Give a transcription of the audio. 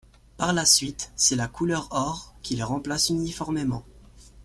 Par la suite, c'est la couleur or qui les remplace uniformément.